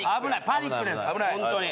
パニックですホントに。